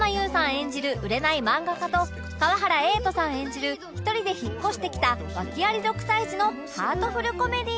演じる売れない漫画家と川原瑛都さん演じる１人で引っ越してきたワケあり６歳児のハートフル・コメディ